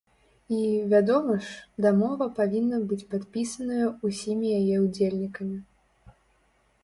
І, вядома ж, дамова павінна быць падпісаная ўсімі яе ўдзельнікамі.